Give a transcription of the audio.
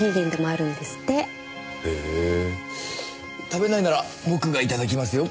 食べないなら僕がいただきますよ。